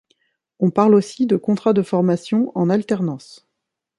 On parle aussi de Contrat de formation en alternance.